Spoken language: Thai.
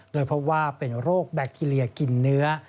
โดยพบว่าเป็นโรคแบคทีเรียกินเนื้อ